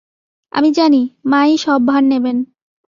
আমি জানি, মা-ই সব ভার নেবেন।